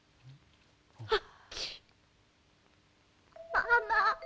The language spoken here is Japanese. ママ。